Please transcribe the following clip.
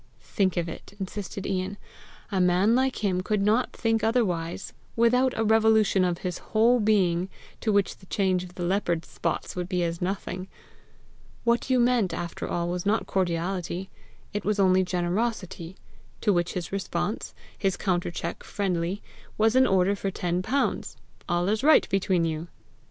"Think of it," insisted Ian: "a man like could not think otherwise without a revolution of his whole being to which the change of the leopard's spots would be nothing. What you meant, after all, was not cordiality; it was only generosity; to which his response, his countercheck friendly, was an order for ten pounds! All is right between you!"